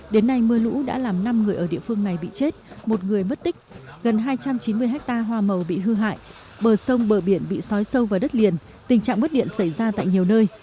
đến nay mưa lũ đã làm năm người ở địa phương này bị chết một người mất tích gần hai trăm chín mươi ha hoa màu bị hư hại bờ sông bờ biển bị sói sâu vào đất liền tình trạng mất điện xảy ra tại nhiều nơi